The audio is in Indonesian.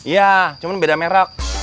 iya cuman beda merek